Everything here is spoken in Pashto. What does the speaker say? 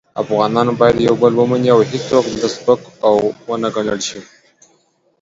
افغانان باید یو بل ومني او هیڅوک دلته سپک و نه ګڼل شي.